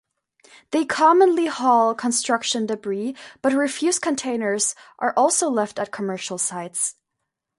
They commonly haul construction debris but refuse containers are also left at commercial sites.